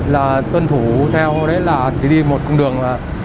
là tuân thủ theo đấy là đi một cung đường